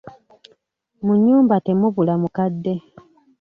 Mu nnyumba temubula mukadde.